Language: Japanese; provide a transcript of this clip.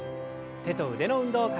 手と腕の運動から。